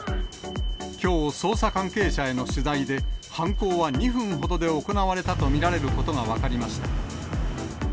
きょう、捜査関係者への取材で、犯行は２分ほどで行われたと見られることが分かりました。